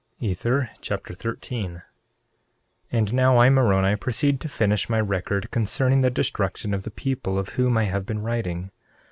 Ether Chapter 13 13:1 And now I, Moroni, proceed to finish my record concerning the destruction of the people of whom I have been writing.